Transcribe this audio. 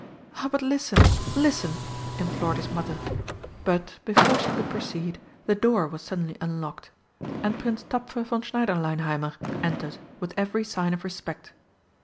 "Ah, but listen listen!" implored his Mother; but, before she could proceed, the door was suddenly unlocked, and Prince Tapfer von Schneiderleinheimer entered with every sign of respect.